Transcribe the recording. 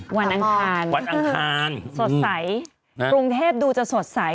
หวันอังคารหวันอังคารกรุงเทพฯดูจะสดใส